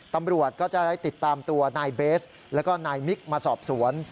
ตำรวจก็จะได้ติดตามตัวนายเบสแล้วก็นายมิกมาสอบสวน